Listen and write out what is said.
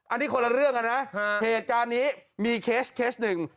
อันนี้คนละเรื่องนะนะฮะเหตุจานนี้มีเคสหนึ่ง